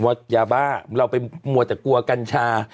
บอกว่ายาบ้าเราเป็นมัวแต่กลัวกัญชา